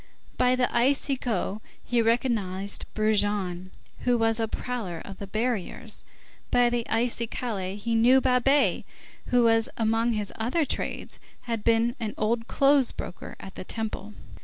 By the icigo he recognized Brujon, who was a prowler of the barriers, by the icicaille he knew Babet, who, among his other trades, had been an old clothes broker at the Temple.